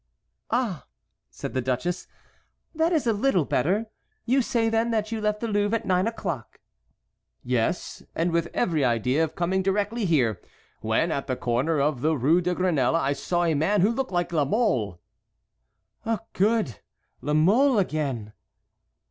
"Ah!" said the duchess, "that is a little better. You say, then, that you left the Louvre at nine o'clock." "Yes, and with every idea of coming directly here, when at the corner of the Rue de Grenelle I saw a man who looked like La Mole." "Good! La Mole again."